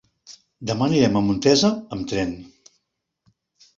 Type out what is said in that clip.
Demà anirem a Montesa amb tren.